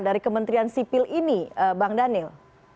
dari kementerian sipil ini bang daniel